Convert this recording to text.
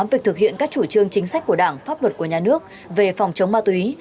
việc thực hiện các chủ trương chính sách của đảng pháp luật của nhà nước về phòng chống ma túy